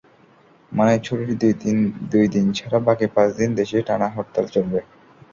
মানে ছুটির দুই দিন ছাড়া বাকি পাঁচ দিন দেশে টানা হরতাল চলবে।